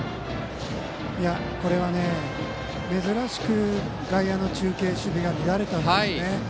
これは珍しく外野の中継守備が乱れたんですね。